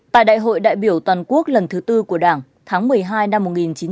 tại đại hội đại biểu toàn quốc lần thứ tư của đảng tháng một mươi hai năm một nghìn chín trăm bảy mươi năm